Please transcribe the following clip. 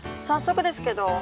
早速ですけど。